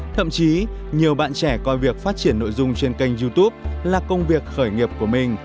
thậm chí nhiều bạn trẻ coi việc phát triển nội dung trên kênh youtube là công việc khởi nghiệp của mình